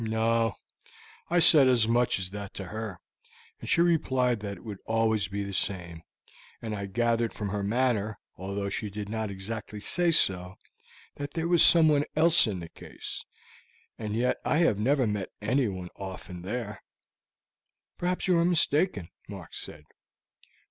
"No; I said as much as that to her, and she replied that it would always be the same, and I gathered from her manner, although she did not exactly say so, that there was someone else in the case, and yet I have never met anyone often there." "Perhaps you are mistaken," Mark said.